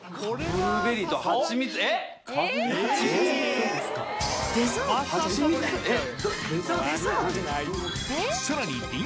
ブルーベリーとハチミツえっ⁉ハチミツえっ？